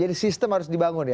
jadi sistem harus dibangun ya